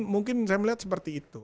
mungkin saya melihat seperti itu